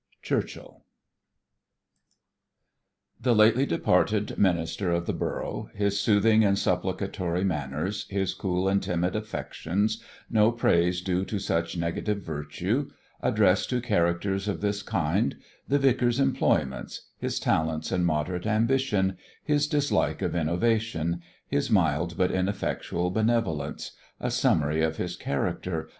CHURCHILL THE VICAR THE CURATE. The lately departed Minister of the Borough His soothing and supplicatory Manners His cool and timid Affections No praise due to such negative Virtue Address to Characters of this kind The Vicar's employments His Talents and moderate Ambition His dislike of Innovation His mild but ineffectual Benevolence A Summary of his Character.